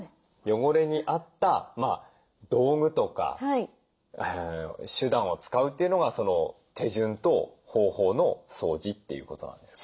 汚れに合った道具とか手段を使うというのが手順と方法の掃除っていうことなんですか？